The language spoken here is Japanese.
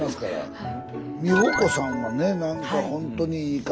はい。